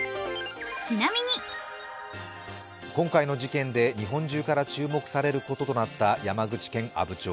今回の事件で日本中から注目されることとなった山口県阿武町。